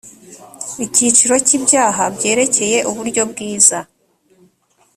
icyiciro cya ibyaha byerekeye uburyobwiza